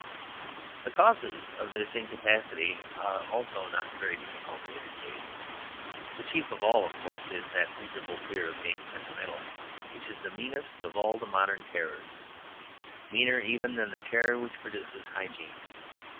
The causes of this incapacity are also not very difficult to indicate. The chief of all, of course, is that miserable fear of being sentimental, which is the meanest of all the modern terrors meaner even than the terror which produces hygiene.